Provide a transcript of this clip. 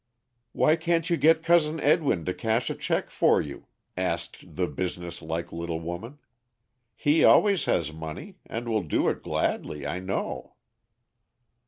"Why can't you get Cousin Edwin to cash a check for you?" asked the business like little woman; "he always has money, and will do it gladly, I know."